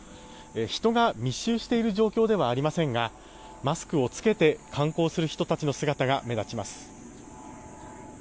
人が密集している状況ではありませんがマスクを着けて観光する人たちの姿が目立ちます。